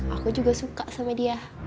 aku juga suka sama dia